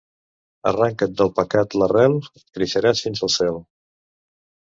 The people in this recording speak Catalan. Arrenca't del pecat l'arrel i creixeràs fins al cel.